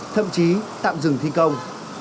thậm chí tạm dừng thi công